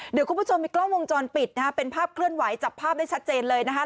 เดี๋ยวคุณผู้ชมมีกล้องวงจรปิดนะฮะเป็นภาพเคลื่อนไหวจับภาพได้ชัดเจนเลยนะคะ